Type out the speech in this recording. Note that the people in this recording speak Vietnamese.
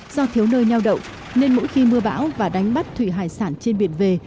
do thiếu nơi neo đậu nên mỗi khi mưa bão và đánh bắt thủy hải sản trên biển về